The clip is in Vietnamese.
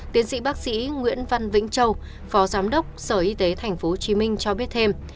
tiến sĩ bác sĩ nguyễn văn vĩnh châu phó giám đốc sở y tế tp hcm cho biết thêm